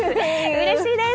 うれしいです！